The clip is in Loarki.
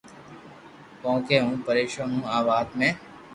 ڪون ڪي ھون پريݾون ھون آ وات ۾